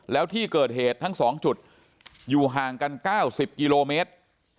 แล้วที่เกิดเหตุทั้ง๒จุดอยู่ห่างกัน๙๐กิโลเมตร